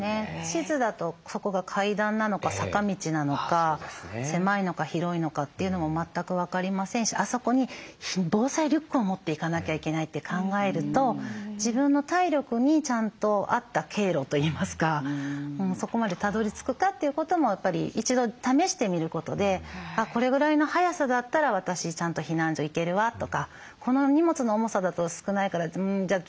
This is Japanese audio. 地図だとそこが階段なのか坂道なのか狭いのか広いのかっていうのも全く分かりませんしあそこに防災リュックを持っていかなきゃいけないって考えると自分の体力にちゃんと合った経路といいますかそこまでたどりつくかということもやっぱり一度試してみることでこれぐらいの速さだったら私ちゃんと避難所行けるわとかこの荷物の重さだと少ないからじゃあ